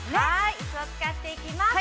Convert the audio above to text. ◆椅子を使っていきます。